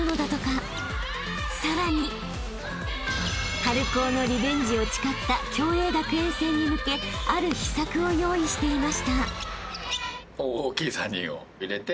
［さらに春高のリベンジを誓った共栄学園戦に向けある秘策を用意していました］